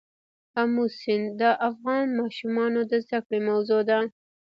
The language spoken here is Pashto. آمو سیند د افغان ماشومانو د زده کړې موضوع ده.